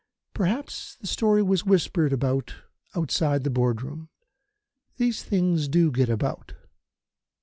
Perhaps the story was whispered about outside the Board room. These things do get about.